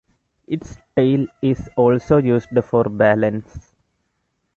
Its tail is also used for balance.